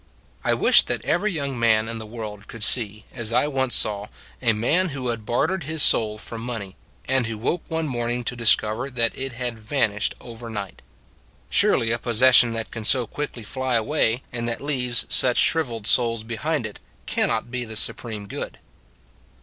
I wish that every young man in the world could see, as I once saw, a man who had bartered his soul for money, and who woke one morning to discover that it had vanished overnight. Surely a possession that can so quickly fly away, and that leaves such shriveled souls behind it, cannot be the supreme good.